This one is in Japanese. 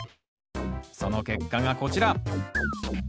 その結果がこちら。